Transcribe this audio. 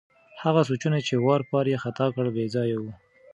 هغه سوچونه چې واروپار یې ختا کړ، بې ځایه وو.